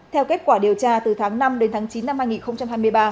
theo kết quả điều tra từ tháng năm đến tháng chín năm hai nghìn hai mươi ba